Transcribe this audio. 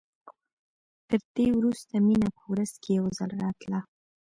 تر دې وروسته مينه په ورځ کښې يو ځل راتله.